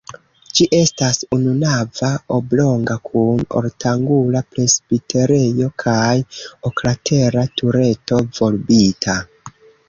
Ĝi estas ununava, oblonga kun ortangula presbiterejo kaj oklatera tureto, volbita.